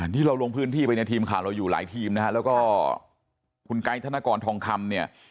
ที่เราลงพื้นที่ไปเนี่ยทีมข่าวเราอยู่หลายทีมนะฮะแล้วก็คุณไกด์ธนกรทองคำเนี่ย